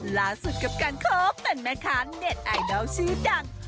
ล่าสุดกับการคบเป็นแม่ค้าเน็ตไอดอลชื่อดัง